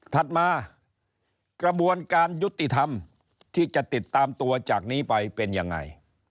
ถัดมากระบวนการยุติธรรมที่จะติดตามตัวจากนี้ไปเป็นยังไง